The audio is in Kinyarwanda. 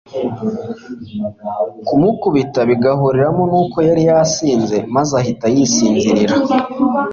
kumukubita bigahuriramo nuko yari yasinze maze ahita yisinzirira